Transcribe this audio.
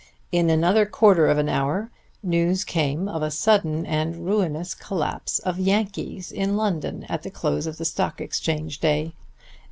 In another quarter of an hour news came of a sudden and ruinous collapse of "Yankees" in London at the close of the Stock Exchange day.